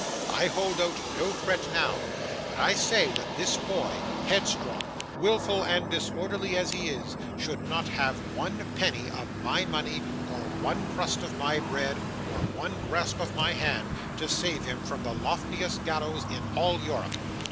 I hold out no threat now, but I say that this boy, headstrong, wilful and disorderly as he is, should not have one penny of my money, or one crust of my bread, or one grasp of my hand, to save him from the loftiest gallows in all Europe.